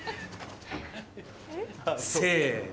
せの。